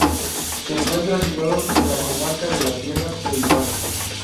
Se encuentra situado en la comarca de la Tierra del Pan.